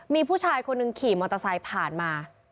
มีผู้ชายคนหนึ่งขี่มอเตอร์ไซค์ผ่านมา